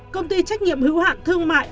công ty trách nhiệm hữu hạn thương mại